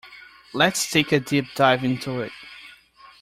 Let's take a deep dive into it.